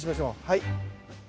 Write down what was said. はい。